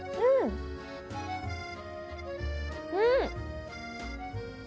うん！